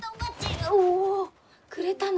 おおくれたの？